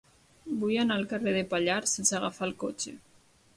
Vull anar al carrer de Pallars sense agafar el cotxe.